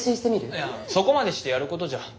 いやそこまでしてやることじゃ。